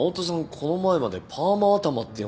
この前までパーマ頭って呼んでたのに。